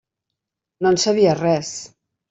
No en sabia res.